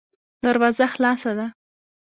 دروازه خلاصه ده.